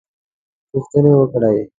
پوښتنې وکړې.